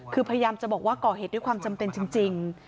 คือพยายามจะบอกว่าก่อเหตุด้วยความจำเป็นจริง